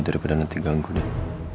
daripada nanti ganggu deh